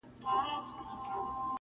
• د کور ټول غړي چوپ دي او وېره لري..